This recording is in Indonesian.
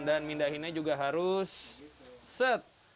dan pindahinnya juga harus set